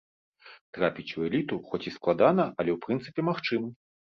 Трапіць у эліту, хоць і складана, але ў прынцыпе магчыма.